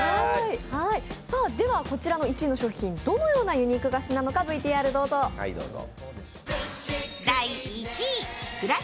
こちらの１位の商品どのようなユニーク菓子なのかＶＴＲどうぞ。